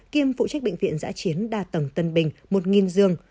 kim phụ trách bệnh viện giã chiến đa tầng tân bình một giường